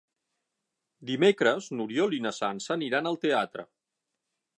Dimecres n'Oriol i na Sança aniran al teatre.